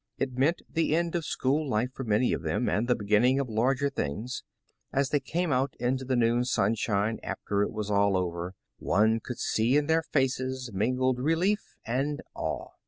It meant the end of school life for many of them, and the beginning of larger things. As they came out into the noon sunshine after it was all over, one could see in their faces mingled relief and awe.